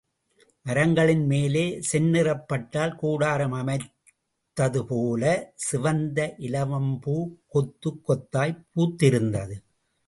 மரங்களின் மேலே செந்நிறப் பட்டால் கூடாரம் அமைத்தது போலச் சிவந்த இலவம்பூ கொத்துக் கொத்தாகப் பூத்திருந்தது.